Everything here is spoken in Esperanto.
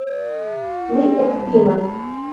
Li ektimas.